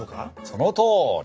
そのとおり！